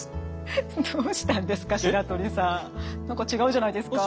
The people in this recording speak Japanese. フッどうしたんですか？